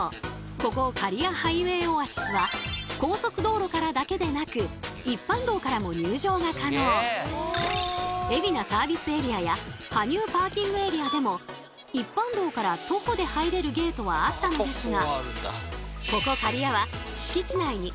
ここ刈谷ハイウェイオアシスは高速道路からだけでなく海老名サービスエリアや羽生パーキングエリアでも一般道から徒歩で入れるゲートはあったのですが